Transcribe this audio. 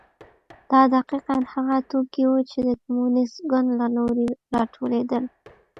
دا دقیقا هغه توکي وو چې د کمونېست ګوند له لوري راټولېدل.